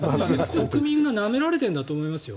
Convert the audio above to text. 国民がなめられてるんだと思いますよ。